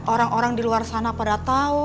orang orang di luar sana pada tahu